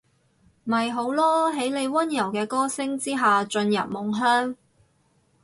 咪好囉，喺你溫柔嘅歌聲之下進入夢鄉